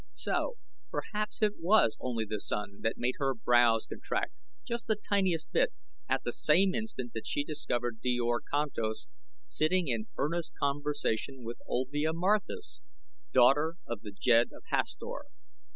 So perhaps it was only the sun that made her brows contract just the tiniest bit at the same instant that she discovered Djor Kantos sitting in earnest conversation with Olvia Marthis, daughter of the Jed of Hastor.